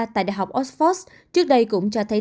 tại đh oxford trước đây cũng cho thấy